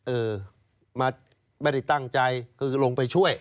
เออมาไม่ได้ตั้งใจคือลงไปช่วย